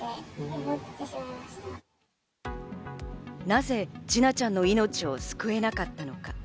なぜ千奈ちゃんの命を救えなかったのか？